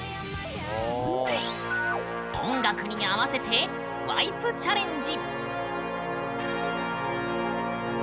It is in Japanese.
音楽に合わせてワイプチャレンジ！